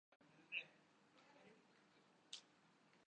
اور کیا ہونی چاہیے۔